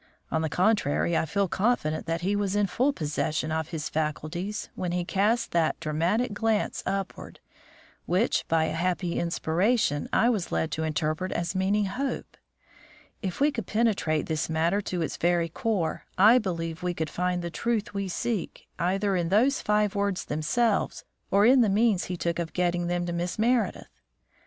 On the contrary, I feel confident that he was in full possession of his faculties when he cast that dramatic glance upward, which, by a happy inspiration, I was led to interpret as meaning Hope. If we could penetrate this matter to its very core, I believe we should find the truth we seek either in those five words themselves or in the means he took of getting them to Miss Meredith.